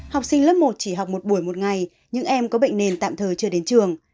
học sinh lớp một chỉ học một buổi một ngày những em có bệnh nền tạm thời chưa đến trường